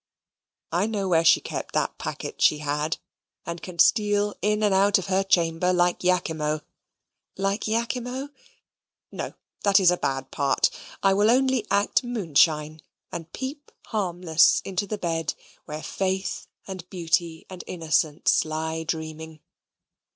I know where she kept that packet she had and can steal in and out of her chamber like Iachimo like Iachimo? No that is a bad part. I will only act Moonshine, and peep harmless into the bed where faith and beauty and innocence lie dreaming.